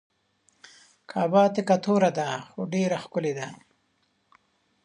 کعبه تکه توره ده خو ډیره ښکلې ده.